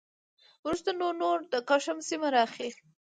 وروسته نو نور د کشم سیمه راخي